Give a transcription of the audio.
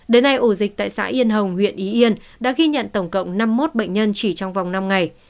đến nay ổ dịch tại xã yên hồng huyện ý yên đã ghi nhận tổng cộng năm mươi một bệnh nhân chỉ trong vòng năm ngày